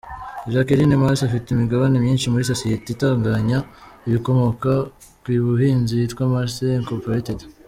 Jaqueline Mars afite imigabane myinshi muri sosiyete itunganya ibikomoka ku buhinzi yitwa Mars incorporated.